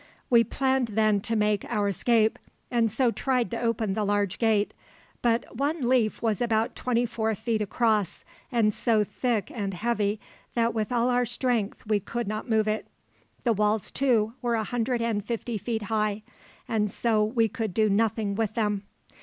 We planned then to make our escape, and so tried to open the large gate, but one leaf was about twenty four feet across, and so thick and heavy that with all our strength we could not move it. The walls, too, were a hundred and fifty feet high, and so we could do nothing with them.